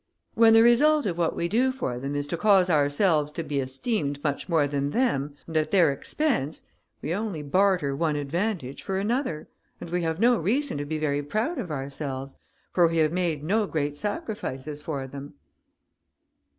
"When the result of what we do for them is to cause ourselves to be esteemed much more than them, and at their expense, we only barter one advantage for another, and we have no reason to be very proud of ourselves, for we have made no great sacrifices for them."